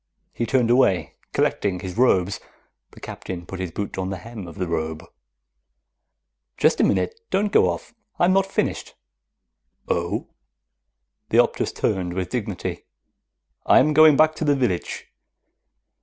He turned away, collecting his robes. The Captain put his boot on the hem of the robe. "Just a minute. Don't go off. I'm not finished." "Oh?" The Optus turned with dignity. "I am going back to the village."